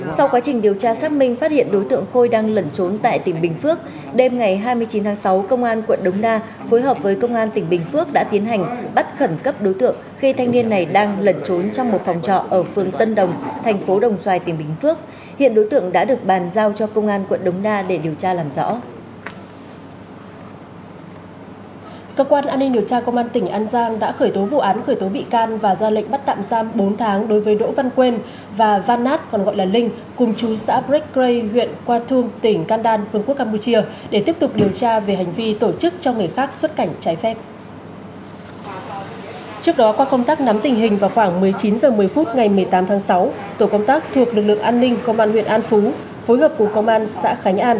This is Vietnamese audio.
sau quá trình điều tra xác minh phát hiện đối tượng khôi đang lẩn trốn tại tỉnh bình phước đêm ngày hai mươi chín tháng sáu công an quận đống đa phối hợp với công an tỉnh bình phước đã tiến hành bắt khẩn cấp đối tượng khi thanh niên này đang lẩn trốn trong một phòng trọ ở phương tân đồng thành phố đông xoài tỉnh bình phước